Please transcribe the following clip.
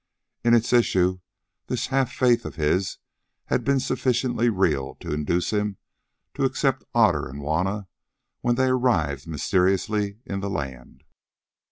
In its issues this half faith of his had been sufficiently real to induce him to accept Otter and Juanna when they arrived mysteriously in the land.